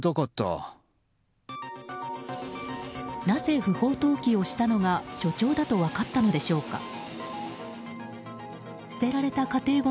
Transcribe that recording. なぜ不法投棄をしたのが所長だと分かったのでしょうか。